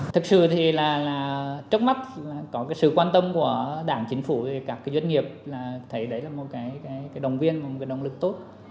thực sự thì là trước mắt có cái sự quan tâm của đảng chính phủ các doanh nghiệp là thấy đấy là một cái đồng viên một cái động lực tốt